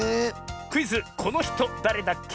クイズ「このひとだれだっけ？」